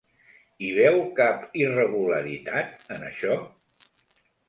Hi veu cap irregularitat, en això?